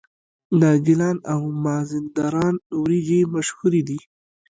د ګیلان او مازندران وریجې مشهورې دي.